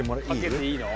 かけていいの？